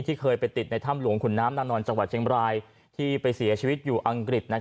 เคยไปติดในถ้ำหลวงขุนน้ำนางนอนจังหวัดเชียงบรายที่ไปเสียชีวิตอยู่อังกฤษ